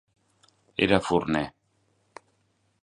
Era forner.